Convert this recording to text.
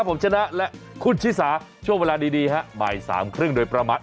ผมชนะและคุณชิสาช่วงเวลาดีฮะบ่ายสามครึ่งโดยประมาณ